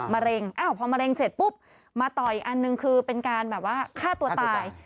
พอมะเร็งเสร็จปุ๊บมาต่ออีกอันหนึ่งคือเป็นการแบบว่าฆ่าตัวตาย